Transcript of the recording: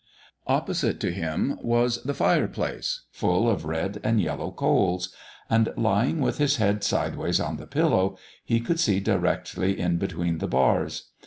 Opposite to him was the fireplace, full of red and yellow coals; and, lying with his head sideways on the pillow, he could see directly in between the bars.